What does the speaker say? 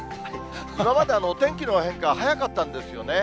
今までお天気の変化、早かったんですよね。